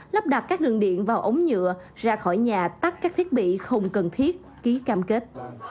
lắp đặt các đường điện vào ống nhựa ra khỏi nhà tắt các thiết bị không cần thiết ký cam kết